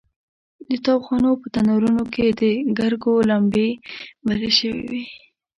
د تاوخانو په تنورونو کې د ګرګو لمبې بلې شوې وې.